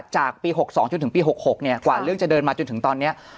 จากปี๖๒จนถึงปี๖๖กว่าเรื่องจะเดินมาจนถึงตอนนี้